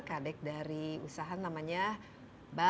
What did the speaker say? kadek dari usaha namanya